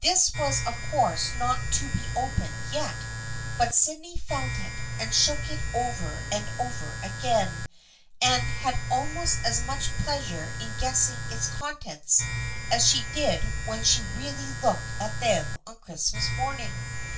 This was of course not to be opened yet, but Sydney felt it and shook it over and over again, and had almost as much pleasure in guessing its contents as she did when she really looked at them on Christmas morning.